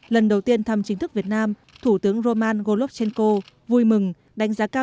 lần đầu tiên thăm chính thức việt nam thủ tướng roman golovshenko vui mừng đánh giá cao